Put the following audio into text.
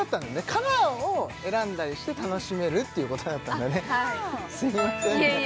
カラーを選んだりして楽しめるっていうことだったんだねすみませんね